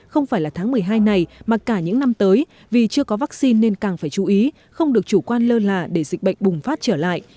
không phải là tháng một mươi hai này mà cả những năm tới vì chưa có vaccine nên càng phải chú ý không được chủ quan lơ là để dịch bệnh bùng phát trở lại